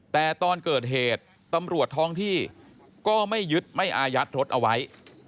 แต่ตอนเกิดเหตุตำรวจท้องที่ก็ไม่ยึดไม่อายัดรถเอาไว้